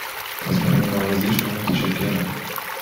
از مهمان نوازی شما متشکرم.